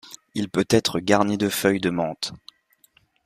Il peut être garni de feuilles de menthe.